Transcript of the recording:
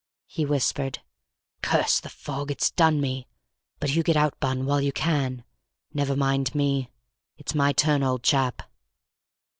he whispered. "Curse the fog—it's done me. But you get out, Bunny, while you can; never mind me; it's my turn, old chap."